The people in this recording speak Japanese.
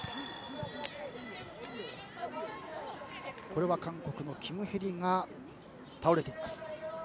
これは韓国のキム・ヘリが倒れました。